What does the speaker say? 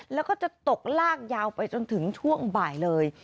แล้วก็จะตกลากยาวไปจนถึงช่วงบ่ายเลย